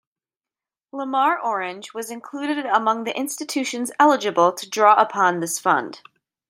Lamar-Orange was included among the institutions eligible to draw upon this fund.